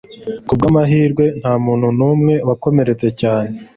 Ku bw'amahirwe nta muntu numwe wakomeretse cyane